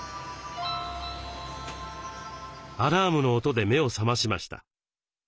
アラームの音で目を覚ましました。